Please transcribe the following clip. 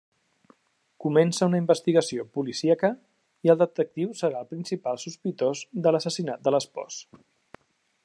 Comença una investigació policíaca i el detectiu serà el principal sospitós de l'assassinat de l'espòs.